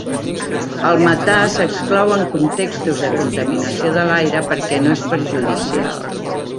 El metà s'exclou en contextos de contaminació de l'aire perquè no és perjudicial.